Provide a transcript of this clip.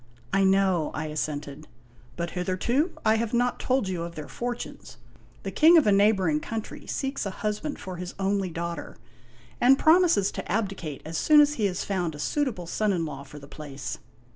" I know," I assented. " But hitherto I have not told you of their fortunes. The King of a neighboring country seeks a husband for his only daughter, and promises to abdicate as soon as he has found a suitable son in law for the place."